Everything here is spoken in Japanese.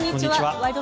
「ワイド！